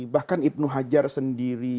bahkan ibnu hajar sendiri